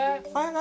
何？